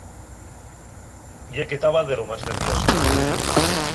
Ye que taba de lo más nerviosa.